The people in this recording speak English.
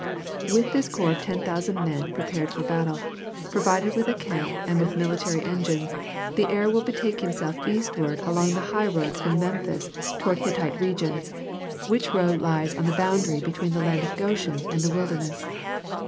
"With this corps of ten thousand men prepared for battle, provided with a camp and with military engines, the heir will betake himself eastward along the highroad from Memphis toward Hittite regions, which road lies on the boundary between the land of Goshen and the wilderness.